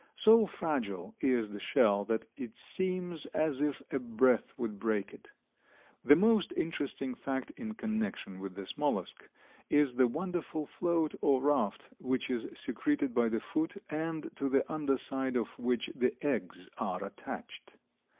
So fragile is the shell that it seems as if a breath would break it. The most interesting fact in connection with this mollusk is the wonderful float or "raft" which is secreted by the foot, and to the under side of which the eggs are attached.